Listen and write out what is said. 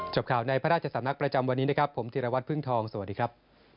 จบข่าวในพระราชสำนักประจำวันนี้นะครับผมธีรวัตรพึ่งทองสวัสดีครับ